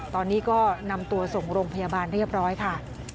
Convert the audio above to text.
ตอนนี้ก็นำตัวส่งโรงพยาบาลเรียบร้อยค่ะ